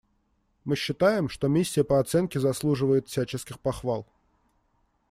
Мы считаем, что миссия по оценке заслуживает всяческих похвал.